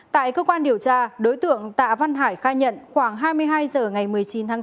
tại cơ quan điều tra đối tượng tạ văn hải khai nhận khoảng hai mươi hai h ngày một mươi chín tháng bốn